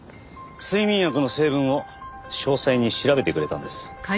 睡眠薬の成分を詳細に調べてくれたんです。